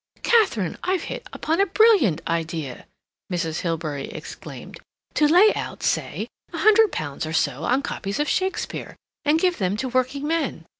"Katharine! I've hit upon a brilliant idea!" Mrs. Hilbery exclaimed—"to lay out, say, a hundred pounds or so on copies of Shakespeare, and give them to working men.